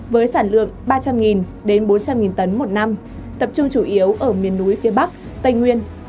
với sản lượng ba trăm linh đến bốn trăm linh tấn một năm tập trung chủ yếu ở miền núi phía bắc tây nguyên